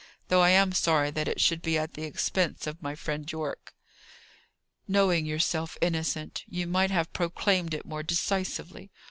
Though I am sorry that it should be at the expense of my friend Yorke." "Knowing yourself innocent, you might have proclaimed it more decisively.